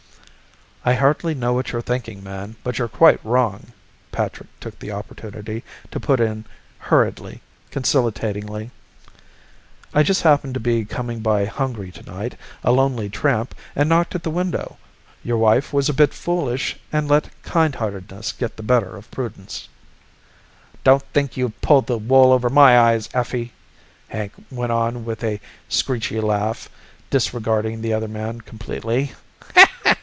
_" "I hardly know what you're thinking, man, but you're quite wrong," Patrick took the opportunity to put in hurriedly, conciliatingly. "I just happened to be coming by hungry tonight, a lonely tramp, and knocked at the window. Your wife was a bit foolish and let kindheartedness get the better of prudence " "Don't think you've pulled the wool over my eyes, Effie," Hank went on with a screechy laugh, disregarding the other man completely.